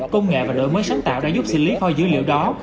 công nghệ và đổi mới sáng tạo đã giúp xử lý kho dữ liệu đó